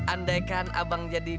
andaikan abang jadi dia